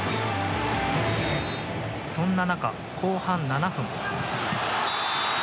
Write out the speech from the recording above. そんな中、後半７分。